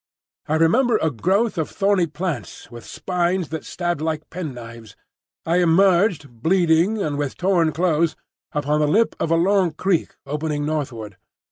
I remember a growth of thorny plants, with spines that stabbed like pen knives. I emerged bleeding and with torn clothes upon the lip of a long creek opening northward.